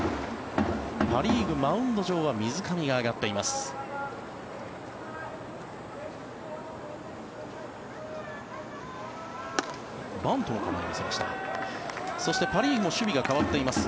パ・リーグ、マウンド上は水上が上がっています。